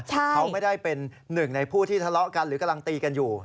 เขาไม่ได้เป็นหนึ่งในผู้ที่ทะเลาะกันหรือกำลังตีกันอยู่